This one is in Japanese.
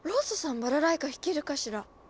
バラライカ弾けるかしら。